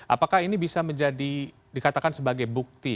apakah ini bisa menjadi dikatakan sebagai bukti